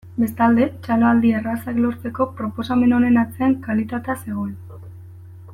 Bestalde, txaloaldi errazak lortzeko proposamen honen atzean kalitatea zegoen.